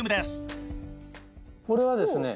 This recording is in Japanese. これはですね。